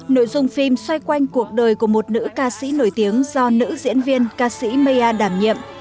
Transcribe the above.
nội dung phim xoay quanh cuộc đời của một nữ ca sĩ nổi tiếng do nữ diễn viên ca sĩ maya đảm nhiệm